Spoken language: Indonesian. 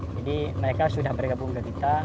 jadi mereka sudah bergabung ke kita